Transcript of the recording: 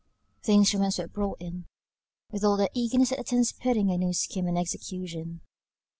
The instruments were brought in, with all the eagerness that attends putting a new scheme in execution.